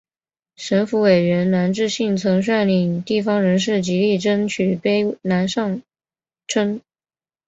省府委员南志信曾率领地方人士极力争取卑南上圳。